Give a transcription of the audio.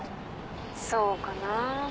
そうかな？